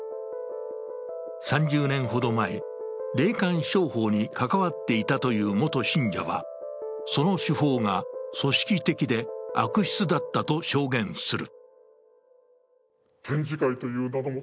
３０年ほど前、霊感商法に関わっていたという元信者は、その手法が組織的で悪質だったと証言する。